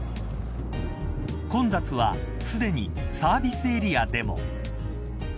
混雑はすでにサービスエリアでも。